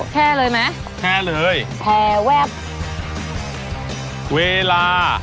แช่เลยมั้ยแช่เลย